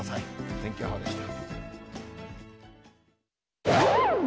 天気予報でした。